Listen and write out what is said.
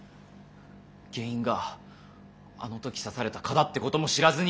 原因があの時刺された蚊だってことも知らずに。